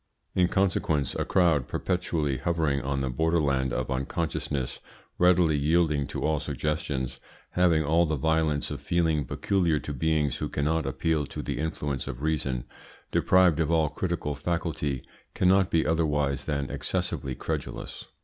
In consequence, a crowd perpetually hovering on the borderland of unconsciousness, readily yielding to all suggestions, having all the violence of feeling peculiar to beings who cannot appeal to the influence of reason, deprived of all critical faculty, cannot be otherwise than excessively credulous.